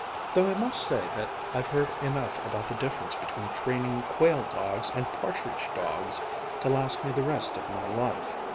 Though I must say that I've heard enough about the difference between training quail dogs and partridge dogs to last me the rest of my life.